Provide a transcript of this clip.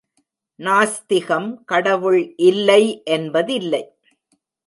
நாஸ்திகம் கடவுள் இல்லை என்பதில்லை.